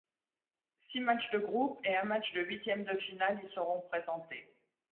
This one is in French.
Six matches de groupe et un match de huitième de finale y seront présentés.